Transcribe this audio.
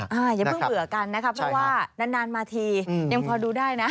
ยังเพิ่งเหลือกันนะครับเพราะว่านานมาทียังพอดูได้นะ